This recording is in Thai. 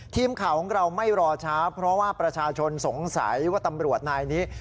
ทีมข่าวของเราไม่รอช้าเพราะว่าประชาชนสงสัยว่าตำรวจนายนี้